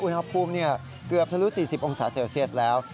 อุณหภูมิเกือบทะลุ๔๐องศาเซลเซียสแล้ว